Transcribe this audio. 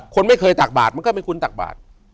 คนไม่เคยตักบาทมันก็ไม่ควรตักบาท